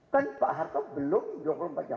kan pak harto belum jokl